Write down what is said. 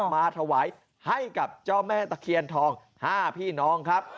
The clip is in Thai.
มาถวายให้กับเจ้าแม่ตะเคียนทอง๕พี่น้องครับ